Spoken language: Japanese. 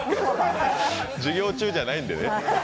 授業中じゃないんでね。